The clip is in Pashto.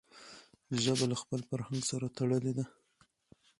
ژبه له خپل فرهنګ سره تړلي ده.